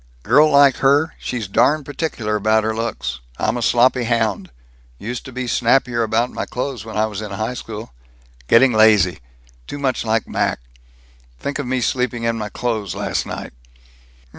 "Girl like her, she's darn particular about her looks. I'm a sloppy hound. Used to be snappier about my clothes when I was in high school. Getting lazy too much like Mac. Think of me sleeping in my clothes last night!"